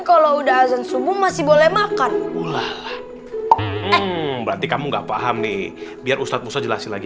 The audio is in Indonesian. kalau udah azan subuh masih boleh makan ulah berarti kamu nggak paham nih biar ustadz musa jelasin lagi